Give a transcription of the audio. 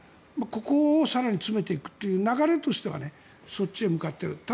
ここを更に詰めていくという流れとしてはそっちへ向かっている。